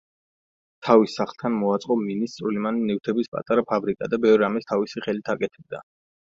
თავის სახლთან მოაწყო მინის წვრილმანი ნივთების პატარა ფაბრიკა და ბევრ რამეს თავისი ხელით აკეთებდა.